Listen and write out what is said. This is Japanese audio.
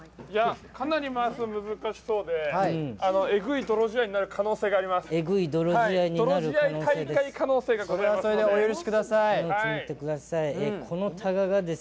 かなり回すの難しそうでえぐい泥仕合になる可能性があります。